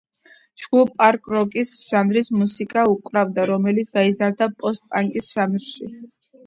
ჯგუფი პანკ როკის ჟანრის მუსიკას უკრავდა, რომელიც გადაიზარდა პოსტ-პანკის ჟანრში.